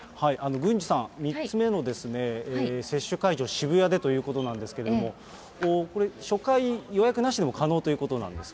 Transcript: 郡司さん、３つ目の接種会場、渋谷でということなんですけれども、これ、初回、予約なしでも可能ということなんですか。